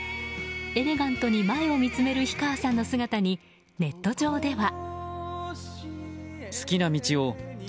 エレガントに前を見つめる氷川さんの姿にネット上では。